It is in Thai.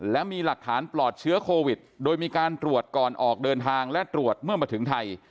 และมีหลักฐานปลอดเชื้อโควิดโดยมีการตรวจก่อนออกเดินทางและตรวจเมื่อมาถึงไทย